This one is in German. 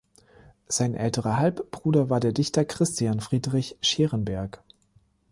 Sein älterer Halbbruder war der Dichter Christian Friedrich Scherenberg.